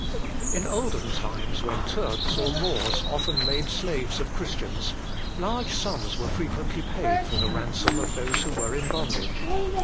In olden times, when Turks or Moors often made slaves of Christians, large sums were frequently paid for the ransom of those who were in bondage.